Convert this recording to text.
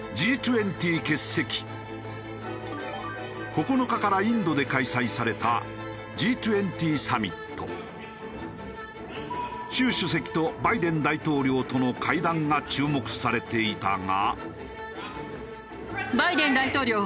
９日からインドで開催された習主席とバイデン大統領との会談が注目されていたが。